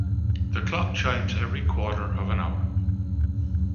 The clock chimes every quarter of an hour.